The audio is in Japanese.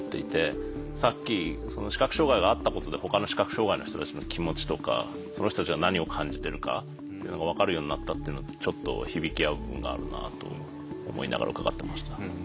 さっき視覚障害があったことでほかの視覚障害の人たちの気持ちとかその人たちが何を感じてるかっていうのが分かるようになったっていうのとちょっと響き合う部分があるなと思いながら伺ってました。